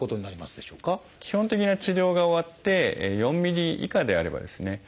基本的な治療が終わって４ｍｍ以下であればですね